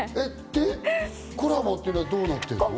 で、コラボっていうのはどうなってるの？